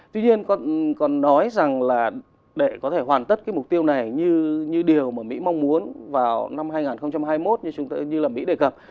tuy nhiên còn nói rằng là để có thể hoàn tất cái mục tiêu này như điều mà mỹ mong muốn vào năm hai nghìn hai mươi một như chúng ta như là mỹ đề cập